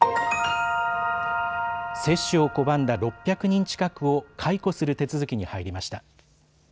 接種を拒んだ６００人近くを解雇する手続きに入りました。